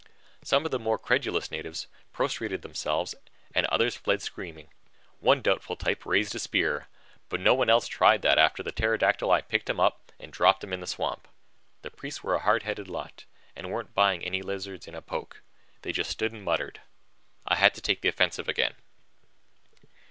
Some of the more credulous natives prostrated themselves and others fled screaming. One doubtful type raised a spear, but no one else tried that after the pterodactyl eye picked him up and dropped him in the swamp. The priests were a hard headed lot and weren't buying any lizards in a poke; they just stood and muttered. I had to take the offensive again.